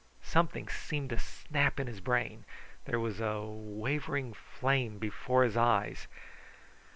Something seemed to snap in his brain. There was a wavering flame before his eyes.